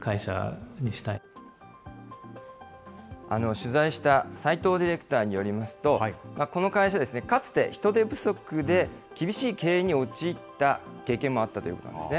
取材した齋藤ディレクターによりますと、この会社、かつて人手不足で厳しい経営に陥った経験もあったということなんですね。